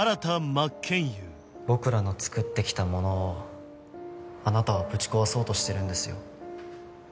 真剣佑僕らのつくってきたものをあなたはぶち壊そうとしてるんですよ？